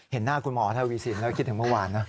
เห็นหน้าคุณหมอทวีสินแล้วคิดถึงเมื่อวานนะ